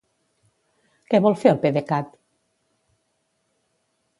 Què vol fer el PDECat?